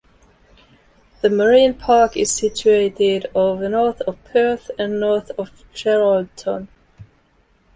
The marine park is situated over north of Perth and north of Geraldton.